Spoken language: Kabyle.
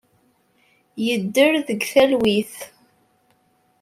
Yedder deg talwit.